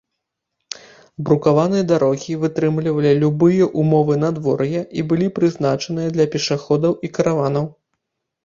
Брукаваныя дарогі вытрымлівалі любыя ўмовы надвор'я і былі прызначаныя для пешаходаў і караванаў.